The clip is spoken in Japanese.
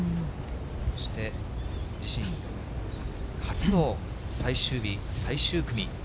そして、自身初の最終日、最終組。